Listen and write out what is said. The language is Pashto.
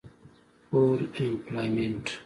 Full Employment